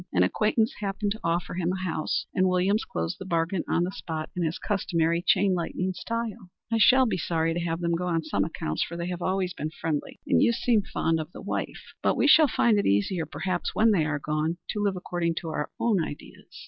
An acquaintance happened to offer him a house, and Williams closed the bargain on the spot in his customary chain lightning style. I shall be sorry to have them go on some accounts, for they have always been friendly, and you seem fond of the wife, but we shall find it easier, perhaps, when they are gone, to live according to our own ideas."